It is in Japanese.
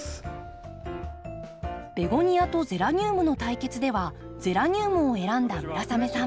ベゴニアとゼラニウムの対決ではゼラニウムを選んだ村雨さん。